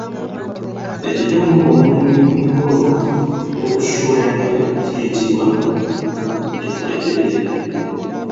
Ekita omuba omwenge ku mukolo gw'okusuula enkata kiyitibwa Ekitekerere.